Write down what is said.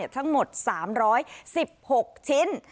ทั้งหมด๓๑๖ชิ้น